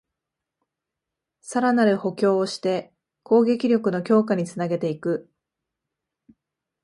さらなる補強をして攻撃力の強化につなげていく